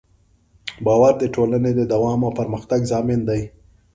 باور د ټولنې د دوام او پرمختګ ضامن دی.